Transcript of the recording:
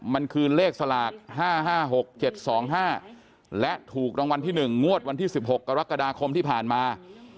มันคือเลขสลาก๕๕๖๗๒๕และถูกรางวัลที่๑งวดวันที่๑๖กรกฎาคมที่ผ่านมา